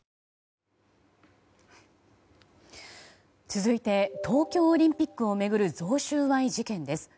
続いて東京オリンピックを巡る贈収賄事件です。